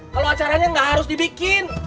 kalau acaranya nggak harus dibikin